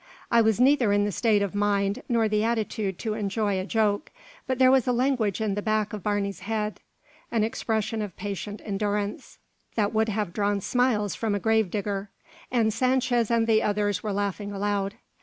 I was neither in the state of mind nor the attitude to enjoy a joke; but there was a language in the back of Barney's head, an expression of patient endurance, that would have drawn smiles from a gravedigger; and Sanchez and the others were laughing aloud.